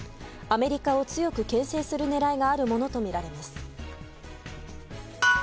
アメリカを強く牽制する狙いがあるものとみられます。